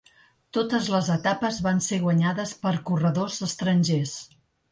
Totes les etapes van ser guanyades per corredors estrangers.